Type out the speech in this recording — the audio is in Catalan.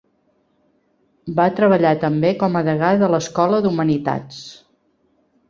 Va treballar també com a Degà de l'Escola d'Humanitats.